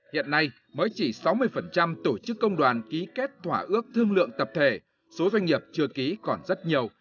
hiện nay mới chỉ sáu mươi tổ chức công đoàn ký kết thỏa ước thương lượng tập thể số doanh nghiệp chưa ký còn rất nhiều